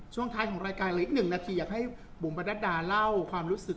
ช่วงท้ายของรายการเหลืออีกหนึ่งนาทีอยากให้บุ๋มประนัดดาเล่าความรู้สึก